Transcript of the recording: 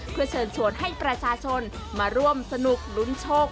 เพื่อเชิญชวนให้ประชาชนมาร่วมสนุกลุ้นโชค